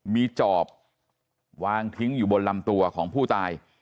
มีจอบวางทิ้งอยู่บนลำตัวของผู้ตาย